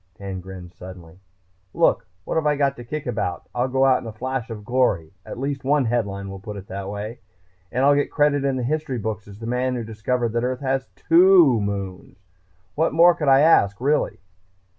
Dan grinned suddenly. "Look, what have I got to kick about? I'll go out in a flash of glory at least one headline will put it that way and I'll get credit in the history books as the man who discovered that Earth has two moons! What more could I ask, really?"